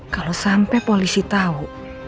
kalau sampai polisi tahu